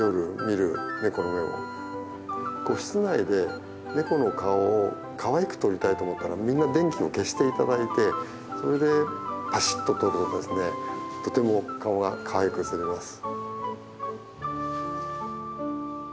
こう室内でネコの顔をかわいく撮りたいと思ったらみんな電気を消していただいてそれでパシッと撮るとですねとても顔がかわいく写ります。